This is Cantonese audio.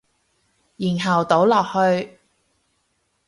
然後倒落去